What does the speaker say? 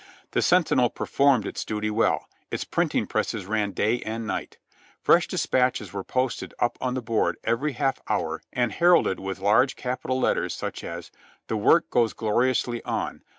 The Sentinel performed its duty well, its printing presses ran day and night. Fresh dis patches were posted up on the board every half hour and her alded with large capitals, such as : "The work goes gloriously on.